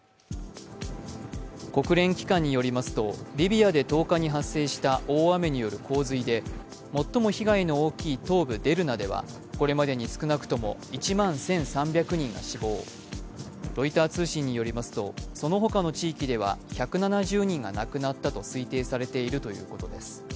国連機関によりますとリビアに１０日に発生した大雨による洪水で最も被害の大きい東部デルナではこれまでに少なくとも１万１３００人が死亡、ロイター通信によりますとその他の地域では１７０人が亡くなったと推定されているということです。